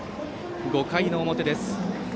５回の表です。